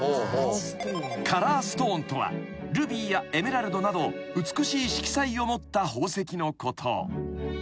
［カラーストーンとはルビーやエメラルドなど美しい色彩を持った宝石のこと］